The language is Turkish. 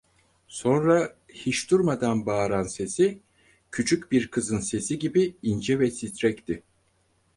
Sonra, hiç durmadan bağıran sesi küçük bir kızın sesi gibi ince ve titrekti.